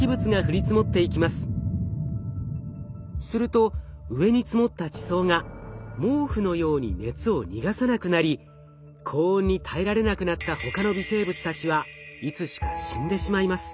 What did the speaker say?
すると上に積もった地層が毛布のように熱を逃がさなくなり高温に耐えられなくなったほかの微生物たちはいつしか死んでしまいます。